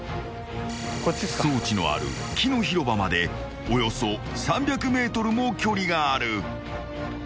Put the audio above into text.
［装置のある木の広場までおよそ３００ｍも距離がある］